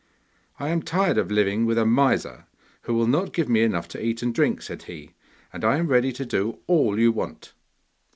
'I am tired of living with a miser who will not give me enough to eat and drink,' said he, 'and I am ready to do all you want.